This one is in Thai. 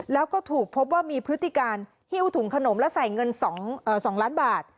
แล้วก็ถูกพบว่ามีพฤติการหิ้วถุงขนมและใส่เงิน๒ล้านบาท